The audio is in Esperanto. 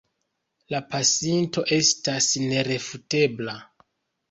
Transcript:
La pasinto estas nerefutebla.